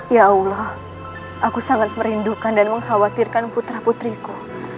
ya allah aku sangat merindukan dan mengkhawatirkan putra putriku